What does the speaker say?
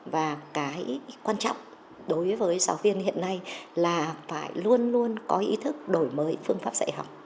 và cái quan trọng đối với giáo viên hiện nay là phải luôn luôn có ý thức đổi mới phương pháp dạy học